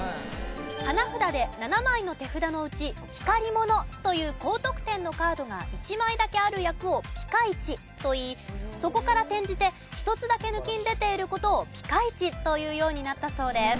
花札で７枚の手札のうち光物という高得点のカードが１枚だけある役を「ピカイチ」といいそこから転じて一つだけ抜きん出ている事を「ピカイチ」というようになったそうです。